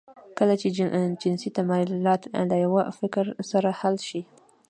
کله چې جنسي تمایلات له یوه فکر سره حل شي